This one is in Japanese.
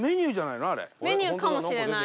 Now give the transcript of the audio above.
メニューかもしれない。